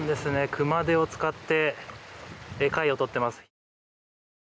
熊手を使って貝をとっています。